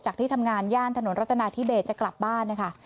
ที่ทำงานย่านถนนรัฐนาธิเบสจะกลับบ้านนะคะ